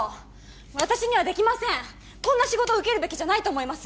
私にはできませんこんな仕事受けるべきじゃないと思います